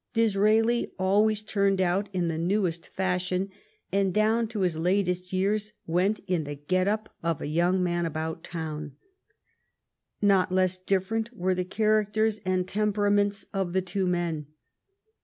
Disraeli always turned out in the newest fashion, and down to his latest years went in the get up of a young man about town. Not less different were the characters and temperaments of the two men.